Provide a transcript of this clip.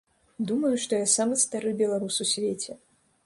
Думаю, што я самы стары беларус у свеце.